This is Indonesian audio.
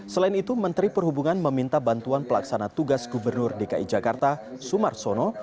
selain itu menteri perhubungan meminta bantuan pelaksana tugas gubernur dki jakarta sumarsono